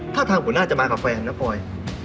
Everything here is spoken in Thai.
ถ้าทางหัวหน้าจะมากับแฟนนะปลอย